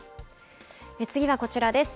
次はこちらです。